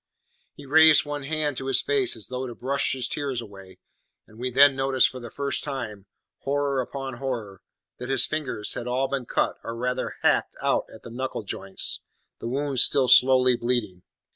He raised one hand to his face as though to brush his tears away, and we then noticed for the first time horror upon horror! that his fingers had all been cut, or rather hacked out, at the knuckle joints, the wounds still slowly bleeding.